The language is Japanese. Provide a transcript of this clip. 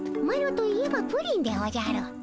マロといえばプリンでおじゃる。